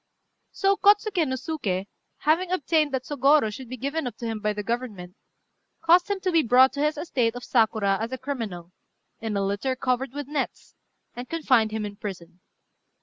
So Kôtsuké no Suké, having obtained that Sôgorô should be given up to him by the Government, caused him to be brought to his estate of Sakura as a criminal, in a litter covered with nets, and confined him in prison.